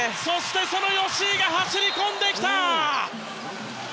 吉井が走り込んできた。